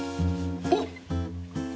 おっ！